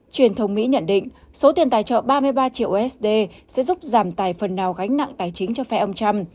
truyền thông mỹ nhận định số tiền tài trợ ba mươi ba triệu usd sẽ giúp giảm tài phần nào gánh nặng tài chính cho phe ông trump